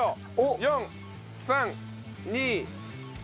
４３２１。